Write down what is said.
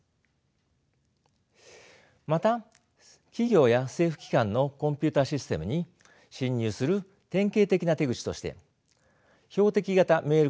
また企業や政府機関のコンピューターシステムに侵入する典型的な手口として標的型メール攻撃があります。